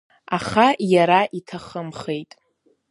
Аха иара иҭахымхеит.